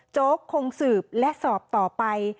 โจ๊กคงสืบและสอบต่อไป